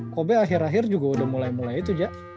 kobe akhir akhir juga udah mulai mulai itu jak